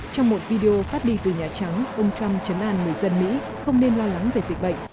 trong một video phát đi từ nhà trắng ông trump chấn an người dân mỹ không nên lo lắng về dịch bệnh